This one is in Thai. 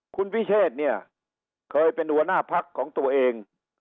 คุณวิเชษเนี่ยเคยเป็นหัวหน้าพักของตัวเอง